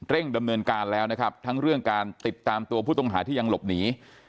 ดำเนินการแล้วนะครับทั้งเรื่องการติดตามตัวผู้ต้องหาที่ยังหลบหนี